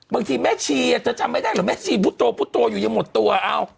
บางทีแม่ชีจะจำไม่ได้หรอแม่ชีพูดโตอยู่ยังหมดตัว